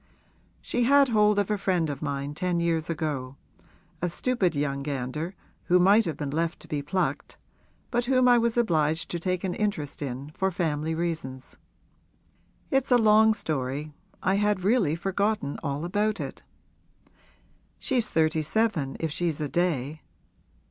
She had hold of a friend of mine ten years ago a stupid young gander who might have been left to be plucked but whom I was obliged to take an interest in for family reasons. It's a long story I had really forgotten all about it. She's thirty seven if she's a day.